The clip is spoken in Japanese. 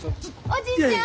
おじいちゃん！